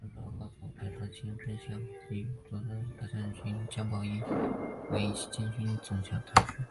唐高祖遣太常少卿真乡公李仲文与左武卫大将军姜宝谊为行军总管讨之。